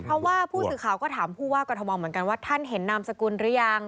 เพราะว่าผู้สื่อข่าวก็ถามผู้ว่ากรทมเหมือนกันว่าท่านเห็นนามสกุลหรือยัง